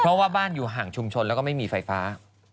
เพราะว่าบ้านอยู่ห่างชุมชนแล้วก็ไม่มีไฟฟ้า